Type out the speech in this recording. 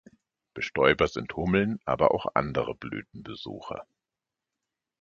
Bestäuber sind Hummeln, aber auch andere Blütenbesucher.